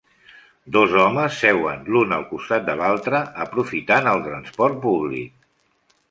Dos homes seuen l'un al costat de l'altre, aprofitant el transport públic.